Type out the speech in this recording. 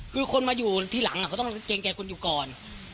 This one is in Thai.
คือคนมาอยู่ทีหลังเขาต้องเกรงใจคุณอยู่ก่อน